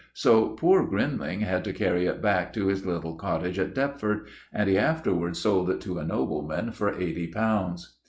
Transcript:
So poor Grinling had to carry it back to his little cottage at Deptford, and he afterwards sold it to a nobleman for eighty pounds.